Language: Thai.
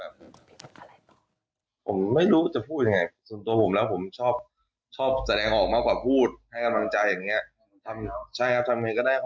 ผมไม่รู้จะพูดอย่างไร